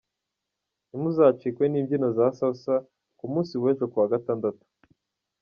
Ntimuzacikwe n'imbyino za salsa ku munsi w'ejo kuwa gatandatu.